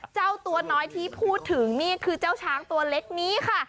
เจ้าตัวน้อยที่พูดถึงนี่คือเจ้าช้างตัวเล็กนี้ค่ะ